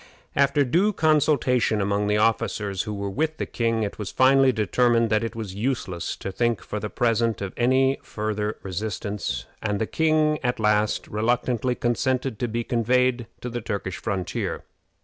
After due consultation among the officers who were with the king, it was finally determined that it was useless to think for the present of any farther resistance, and the king, at last, reluctantly consented to be conveyed to the Turkish frontier.